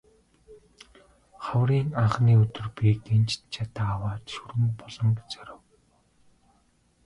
Хаврын анхны өдөр би гинжит жадаа аваад Шүрэн буланг зорив.